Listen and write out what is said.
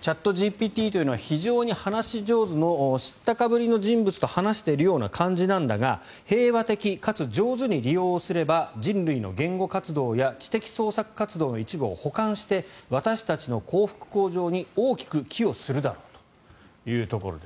チャットＧＰＴというのは非常に話し上手の知ったかぶりの人物と話しているような感じなんだが平和的かつ上手に利用すれば人類の言語活動や知的創作活動の一部を補完して私たちの幸福向上に大きく寄与するだろうということです。